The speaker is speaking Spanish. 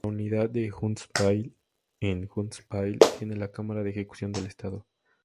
La Unidad de Huntsville en Huntsville tiene la cámara de ejecución del estado.